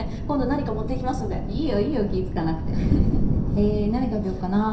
えー何食べよっかなぁ。